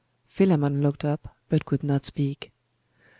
Philammon looked up, but could not speak.